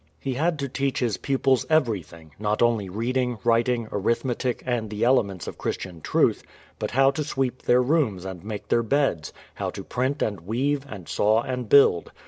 He had to teach his pupils everything, not only reading, writing, arithmetic, and the elements of Christian truth, but how to sweep their rooms and make their beds, how to print and weave and saw and build.